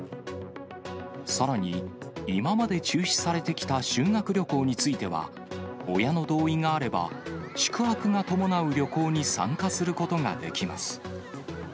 さらに、今まで中止されてきた修学旅行については、親の同意があれば、宿泊が伴う旅行に参加することができます。